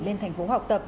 lên thành phố học tập